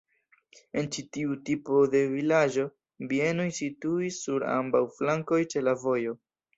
En ĉi tiu tipo de vilaĝo bienoj situis sur ambaŭ flankoj ĉe la vojo.